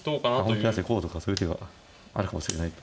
ああ本気出してこうとかそういう手があるかもしれないと。